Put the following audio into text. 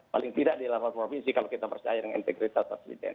paling tidak di level provinsi kalau kita percaya dengan integritas presiden